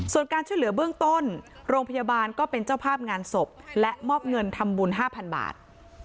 ส่วนการช่วยเหลือเบื้องต้นโรงพยาบาลก็เป็นเจ้าภาพงานศพและมอบเงินทำบุญ๕๐๐บาท